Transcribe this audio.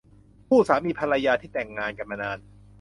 คู่สามีภรรยาที่แต่งงานกันมานาน